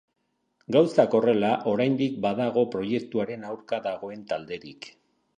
Gauzak horrela, oraindik badago proiektuaren aurka dagoen talderik.